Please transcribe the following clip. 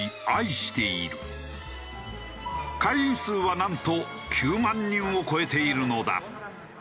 会員数はなんと９万人を超えているのだ。